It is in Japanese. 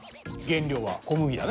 原料は小麦だね。